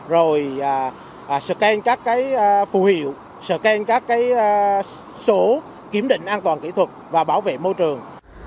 rồi scan các cái phù hiệu scan các cái số kiểm định an toàn kỹ thuật và bảo vệ môi trường